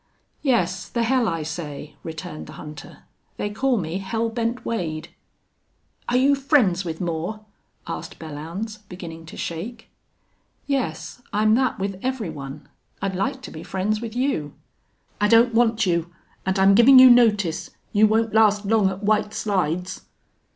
"Yes, the hell I say," returned the hunter. "They call me Hell Bent Wade!" "Are you friends with Moore?" asked Belllounds, beginning to shake. "Yes, I'm that with every one. I'd like to be friends with you." "I don't want you. And I'm giving you notice you won't last long at White Slides."